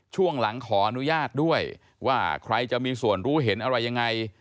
ช่วงหลังขออนุญาตด้วยว่าใครจะมีส่วนรู้เห็นอะไรยังไง